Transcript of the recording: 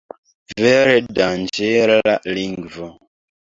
Vere, danĝera lingvo!